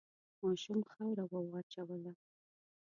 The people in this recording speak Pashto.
ماشوم خاوره وواچوله.